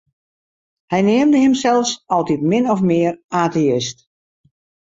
Hy neamde himsels altyd min of mear ateïst.